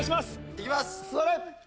行きます！